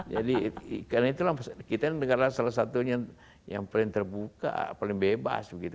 jadi karena itulah kita negara salah satunya yang paling terbuka paling bebas begitu